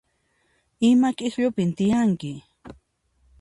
Ima k'ikllupin tiyanki?